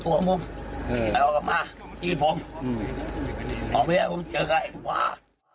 เจอกับไอ้ปลูกว้า